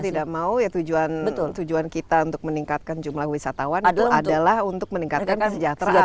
karena mau tidak mau tujuan kita untuk meningkatkan jumlah wisatawan adalah untuk meningkatkan kesejahteraan